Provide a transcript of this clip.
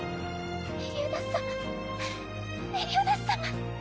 メリオダス様メリオダス様。